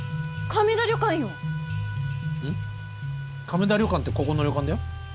亀田旅館ってここの旅館だよ。